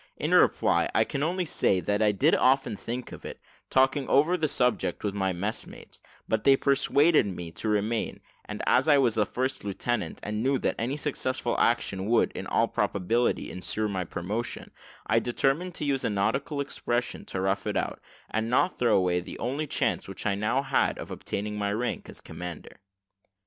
In reply, I can only say that I did often think of it, talked over the subject with my messmates, but they persuaded me to remain, and, as I was a first lieutenant, and knew that any successful action would, in all probability, insure my promotion, I determined to use a nautical expression, to rough it out, and not throw away the only chance which I now had of obtaining my rank as commander.